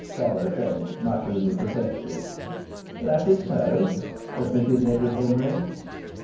Carlo Trent mutteringly protested. "That is so," admitted Edward Henry.